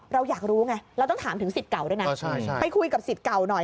เราอยากรู้ไงเราต้องถามถึงสิทธิ์เก่าด้วยนะไปคุยกับสิทธิ์เก่าหน่อย